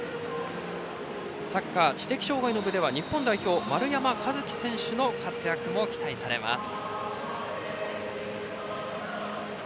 サッカー知的障害の部では日本代表、丸山一喜選手の活躍も期待されます。